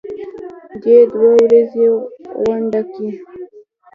دې دوه ورځنۍ غونډه کې